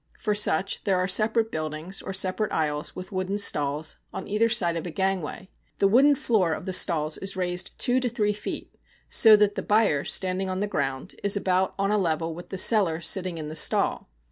For such there are separate buildings or separate aisles, with wooden stalls, on either side of a gangway. The wooden floor of the stalls is raised two to three feet, so that the buyer, standing on the ground, is about on a level with the seller sitting in the stall.